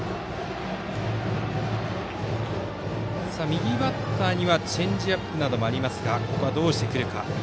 右バッターにはチェンジアップなどもありますがここはどうしてくるか。